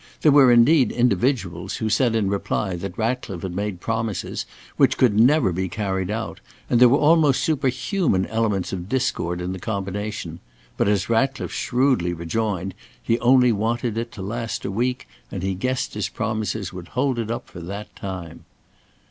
There were indeed individuals who said in reply that Ratcliffe had made promises which never could be carried out, and there were almost superhuman elements of discord in the combination, but as Ratcliffe shrewdly rejoined, he only wanted it to last a week, and he guessed his promises would hold it up for that time.